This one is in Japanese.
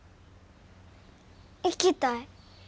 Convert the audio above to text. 行きたい。